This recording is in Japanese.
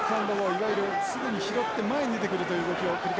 いわゆるすぐに拾って前に出てくるという動きを繰り返しています。